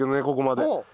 ここまで。